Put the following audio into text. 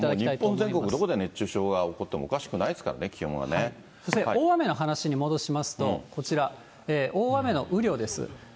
日本全国、どこで熱中症が起こってもおかしくないですからね、そして大雨の話に戻しますと、こちら、大雨の雨量です。